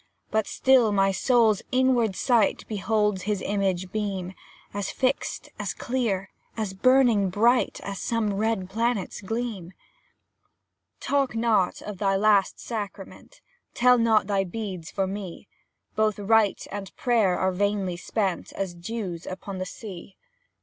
But still my spirit's inward sight Beholds his image beam As fixed, as clear, as burning bright, As some red planet's gleam. Talk not of thy Last Sacrament, Tell not thy beads for me; Both rite and prayer are vainly spent, As dews upon the sea.